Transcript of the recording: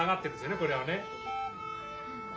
これはね。